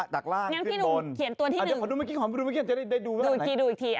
เดี๋ยวขอดูเมื่อกี้